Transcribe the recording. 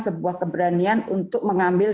sebuah keberanian untuk mengambil